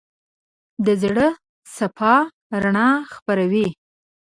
د زړه صفا رڼا خپروي.